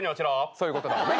そういうことだよね。